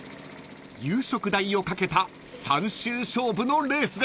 ［夕食代をかけた３周勝負のレースです］